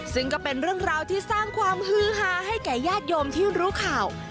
ซึ่งก็เป็นเรื่องราวที่สร้างความฮือฮาให้แก่ญาติโยมที่รู้ข่าว